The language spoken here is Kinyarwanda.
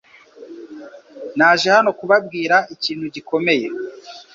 Naje hano kubabwira ikintu gikomeye .